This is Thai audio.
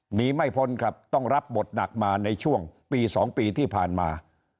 หนีไม่พ้นครับต้องรับบทหนักมาในช่วงปี๒ปีที่ผ่านมา